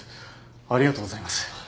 ありがとうございます。